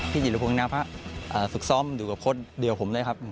พี่จิรพงษ์มีนาพะฝึกซ้อมอยู่กับโค้ชเดียวผมด้วยครับ